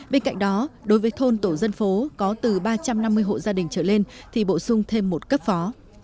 bên cạnh đó đối với thôn tổ dân phố có từ ba trăm năm mươi hộ gia đình trở lên thì bổ sung thêm một cấp phó